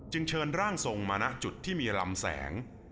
เชิญร่างทรงมาณจุดที่มีลำแสง